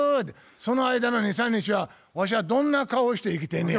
その間の２３日はわしはどんな顔して生きてんねや。